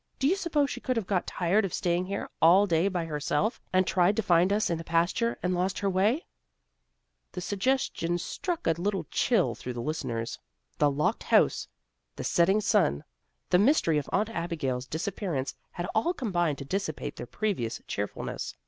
"Do you suppose she could have got tired of staying here all day by herself, and tried to find us in the pasture and lost her way?" The suggestion struck a little chill through the listeners. The locked house, the setting sun, the mystery of Aunt Abigail's disappearance had all combined to dissipate their previous cheerfulness.